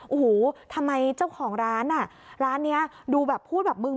โอ้โหทำไมเจ้าของร้านอ่ะร้านนี้ดูแบบพูดแบบมึง